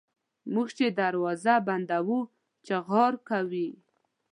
موږ چي دروازه بندوو چیغهار کوي.